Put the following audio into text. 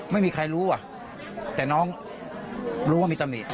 ไม่มีใครรู้แต่น้องรู้ว่ามีธรรมดี